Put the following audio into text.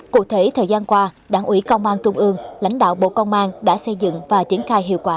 cụ thể thời gian qua đảng ủy công an trung ương lãnh đạo bộ công an đã xây dựng và triển khai hiệu quả